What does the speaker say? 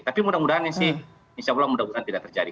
tapi mudah mudahan ini sih insya allah mudah mudahan tidak terjadi